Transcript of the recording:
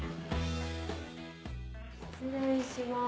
失礼します。